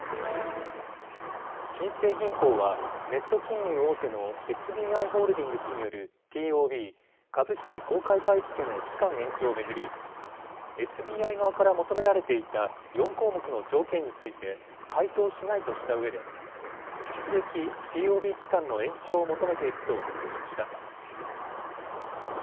新生銀行はネット金融大手のＳＢＩホールディングスによるＴＯＢ・株式公開買い付けの期間延長を巡りＳＢＩ側から求められていた４項目の条件について回答しないとしたうえで引き続きＴＯＢ期間の延長を求めていくと発表しました。